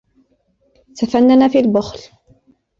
تفنن في البخل